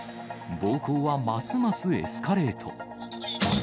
暴行はますますエスカレート。